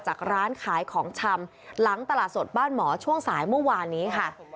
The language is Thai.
ร้านขายของชำหลังตลาดสดบ้านหมอช่วงสายเมื่อวานนี้ค่ะ